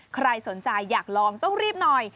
ใครสนใจอยากลองต้องรีบหน่อย